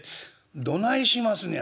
「どないしますねや」。